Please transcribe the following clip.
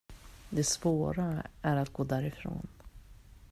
Det svåra är att gå därifrån.